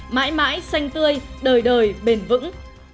mãi mãi xanh tươi đời đời bền vững